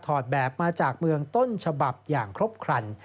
แบบมาจากเมืองต้นฉบับอย่างครบครัน